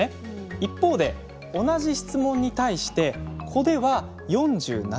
一方で同じ質問に対して子では４７％。